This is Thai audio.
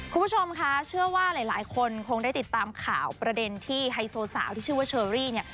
คุณผู้ชมคะเชื่อว่าหลายคนคงได้ติดตามข่าวประเด็นที่ไฮโซสาวที่ชื่อว่าเชอรี่เนี่ย